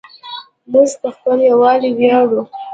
موږ په خپل یووالي ویاړو.